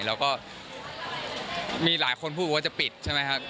แล้วก็มีหลายคนพูดว่าจะปิดใช่ไหมครับ